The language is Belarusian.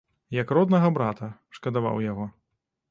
Як роднага брата, шкадаваў яго.